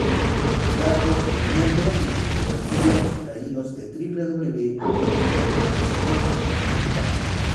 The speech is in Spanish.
Datos de Miembros y Discografía extraídos de: www.Marismenos.tk